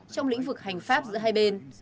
trong lĩnh vực hành pháp giữa hai bên